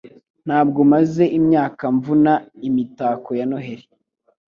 Ntabwo maze imyaka mvuna imitako ya Noheri.